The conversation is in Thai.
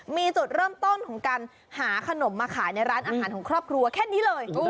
มีจุดเริ่มต้นของการหาขนมมาขายในร้านอาหารของครอบครัวแค่นี้เลย